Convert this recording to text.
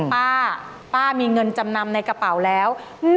ป้าป้ามีเงินจำนำในกระเป๋าแล้ว